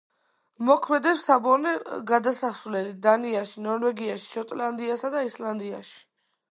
მოქმედებს საბორნე გადასასვლელი დანიაში, ნორვეგიაში, შოტლანდიასა და ისლანდიაში.